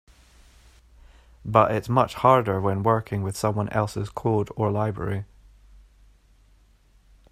But it's much harder when working with someone else's code or library.